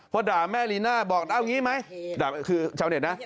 เพราะด่าแม่ลีน่าบอกเอ้าอย่างงี้ไหมด่าคือชาวเน็ตนะ